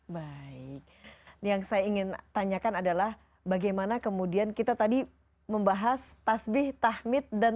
baik yang saya ingin tanyakan adalah bagaimana kemudian kita tadi membahas tasbih tahmid dan